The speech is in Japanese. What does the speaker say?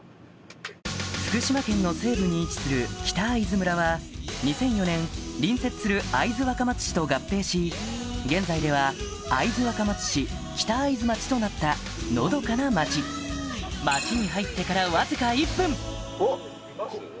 福島県の西部に位置する北会津村は２００４年隣接する会津若松市と合併し現在では会津若松市北会津町となったのどかな町ダメ？